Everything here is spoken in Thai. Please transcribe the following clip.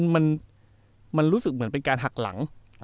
มันรู้สึกเหมือนเป็นการหักหลัง